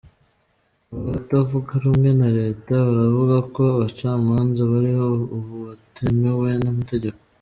Abatavuga rumwe na leta baravuga ko abacamanza bariho ubu batemewe n'amategeko.